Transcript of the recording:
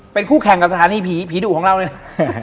เป็นคู่แข่งกับสถานีผีผีดุของเราเลย